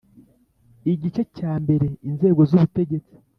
Igice cya mbere Inzego z ubutegetsi